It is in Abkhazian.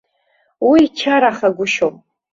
Уи чарахагәышьом.